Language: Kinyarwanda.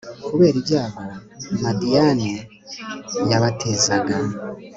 kubera ibyago madiyani yabatezaga